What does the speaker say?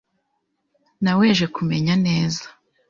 Naweje kumenya neza .